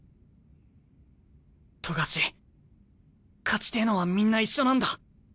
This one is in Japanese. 勝ちてえのはみんな一緒なんだ。